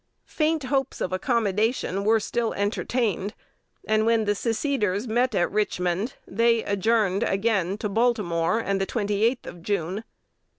Faint hopes of accommodation were still entertained; and, when the seceders met at Richmond, they adjourned again to Baltimore, and the 28th of June.